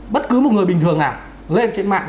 bất cứ một người bình thường nào lên trên mạng